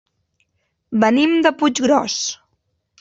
Venim de Puiggròs.